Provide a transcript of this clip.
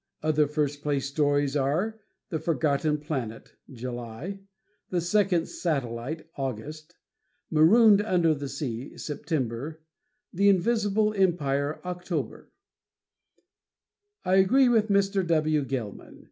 Other first place stories are: "The Forgotten Planet," (July); "The Second Satellite," (August); "Marooned Under the Sea," (Sept); "The Invisible Empire," (Oct). I agree with Mr. W. Gelman.